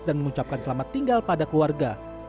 mengucapkan selamat tinggal pada keluarga